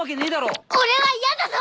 俺は嫌だぞ。